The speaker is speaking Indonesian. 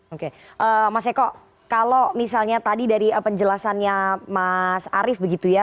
oke mas eko kalau misalnya tadi dari penjelasannya mas arief begitu ya